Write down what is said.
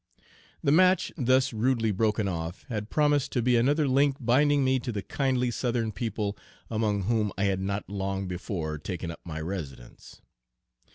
The match thus rudely broken off had promised to be another link binding me to the kindly Southern people among whom I had not long before taken up my residence.